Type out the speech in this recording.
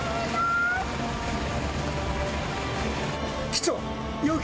機長！